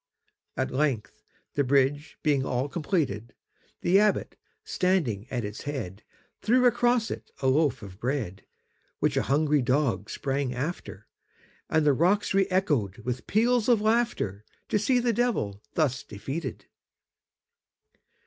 At length, the bridge being all completed, The Abbot, standing at its head, Threw across it a loaf of bread, Which a hungry dog sprang after, And the rocks reëchoed with peals of laughterTo see the Devil thus defeated!